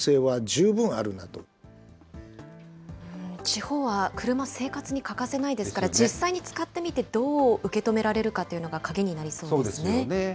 地方は車、生活に欠かせないですから、実際に使ってみてどう受け止められるかというのが鍵になりそうでそうですよね。